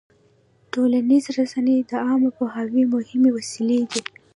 ټولنیزې رسنۍ د عامه پوهاوي مهمې وسیلې دي.